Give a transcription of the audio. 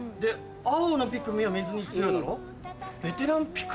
青のピクミンは水に強いだろ。